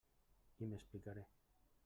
I m'explicaré.